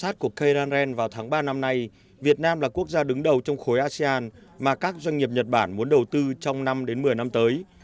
trong ba năm nay việt nam là quốc gia đứng đầu trong khối asean mà các doanh nghiệp nhật bản muốn đầu tư trong năm một mươi năm tới